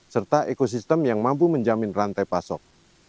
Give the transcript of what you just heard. serta ekosistem yang mampu menjamin rantai pasok